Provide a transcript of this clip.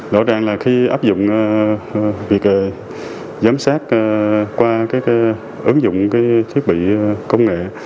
rõ ràng là khi áp dụng việc giám sát qua cái ứng dụng thiết bị công nghệ